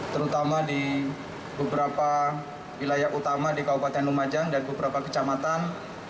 terutama di beberapa wilayah utama di kabupaten lumajang dan beberapa kecamatan